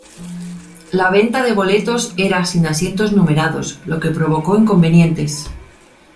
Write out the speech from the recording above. La venta de boletos era sin asientos numerados, lo que provocó inconvenientes.